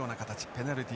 ペナルティ